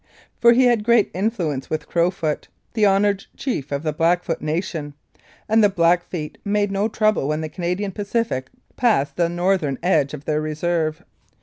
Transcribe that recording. for he had great influence with Crowfoot, the honoured chief of the Blackfoot nation, and the Blackfeet made no trouble when the Canadian Pacific passed the northern edge of their reserve.